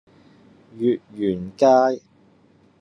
月園街